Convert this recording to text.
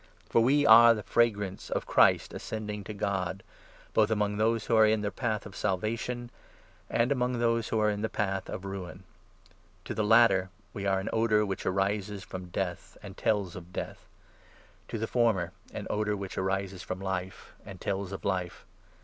For we are the fragrance 15 of Christ ascending to God — both among those who are in the path of Salvation and among those who are in the path to Ruin. To the latter we are an odour which arises from death 16 and tells of Death ; to the former an odour which arises from life and tells of Life.